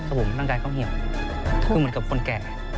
ร่างกายเขาเหี่ยวคือเหมือนกับคนแก่